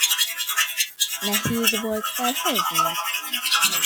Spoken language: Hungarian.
Nehéz volt felhozni?